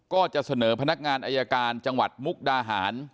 ก็จะเสนอพนักงานอายการจังหวัดมุกดาหาร